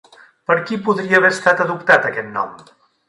Per qui podria haver estat adoptat aquest nom?